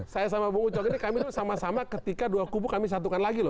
saya sama bung ucok ini kami dulu sama sama ketika dua kubu kami satukan lagi loh